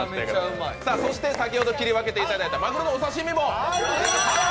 先ほど切り分けていただいたマグロのお刺身も。